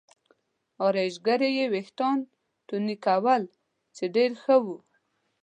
ارایشګرې یې وریښتان تورنۍ کول چې ډېر ښه و.